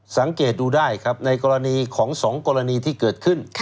สังเกตดูได้ครับในกรณีของ๒กรณีที่เกิดขึ้น